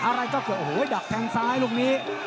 อะไรก็เกิดโอ้โหดักแทงซ้ายลูกนี้